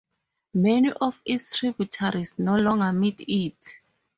Many of its tributaries no longer meet it.